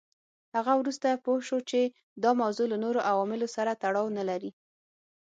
هغه وروسته پوه شو چې دا موضوع له نورو عواملو سره تړاو نه لري.